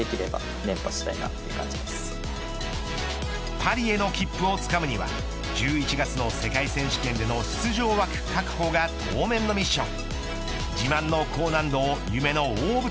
パリへの切符をつかむには１１月の世界選手権での出場枠確保が当面のミッション。